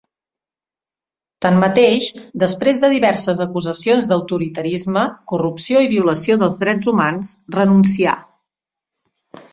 Tanmateix, després de diverses acusacions d'autoritarisme, corrupció i violació dels drets humans, renuncià.